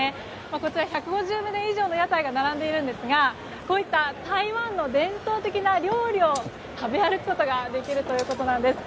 こちら１５０棟以上の屋台が並んでいるんですがこういった台湾の伝統的な料理を食べ歩くことができるということです。